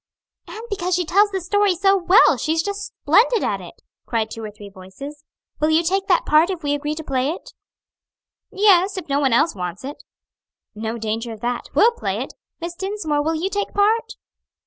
"And because she tells the story so well; she's just splendid at it!" cried two or three voices. "Will you take that part if we agree to play it?" "Yes, if no one else wants it." "No danger of that. We'll play it. Miss Dinsmore, will you take part?"